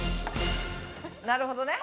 なるほどね。